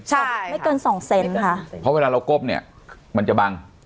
ใช่ไม่เกินสองเซนต์ค่ะเพราะเวลาเราก้มเนี่ยมันจะบัง